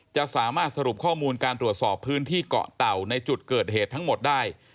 จะสามารถสรุปข้อมูลการตรวจสอบพื้นที่เกาะเต่าในจุดเกิดเหตุทั้งหมดได้